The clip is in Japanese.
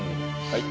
はい。